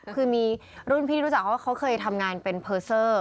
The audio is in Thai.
คือมีรุ่นพี่ที่รู้จักเขาว่าเขาเคยทำงานเป็นเพอร์เซอร์